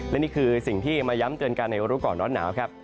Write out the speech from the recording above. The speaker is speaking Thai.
และนี่คือสิ่งที่มาย้ำเตือนกันในรู้ก่อนร้อนหนาวครับ